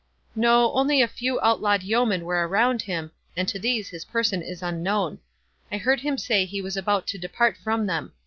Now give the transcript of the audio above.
"No—only a few outlawed yeomen were around him, and to these his person is unknown. I heard him say he was about to depart from them.